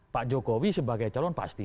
pak jokowi sebagai calon pasti